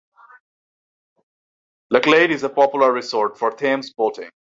Lechlade is a popular resort for Thames boating.